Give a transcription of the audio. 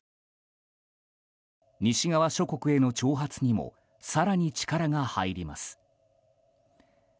西側諸国への挑発にも更に力が入ります。